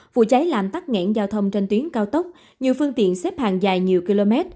vụ cháy làm tắc nghẹn giao thông trên tuyến cao tốc nhiều phương tiện xếp hàng dài nhiều km